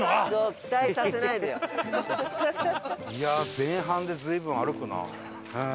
いやあ前半で随分歩くなあ。